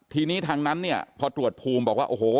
ทีนี้ทางนั้นเนี่ยพอตรวจภูมิบอกว่าโอ้โห